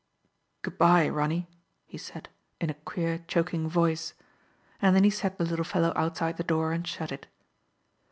"Good by, Ronny," he said, in a queer, choking voice ; and then he set the little fellow outside the door and shut it.